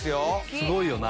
すごいよな。